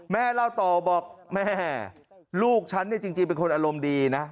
แม่เล่าต่อบอกแม่ลูกฉันเนี่ยจริงเป็นคนอารมณ์ดีนะ